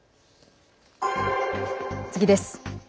次です。